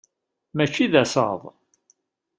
Mačči d asaḍ.